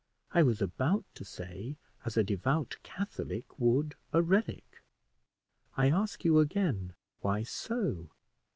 I was about to say, as a devout Catholic would a relic. I ask you again, Why so?